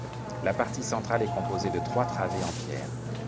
La partie centrale est composée de trois travées en pierre.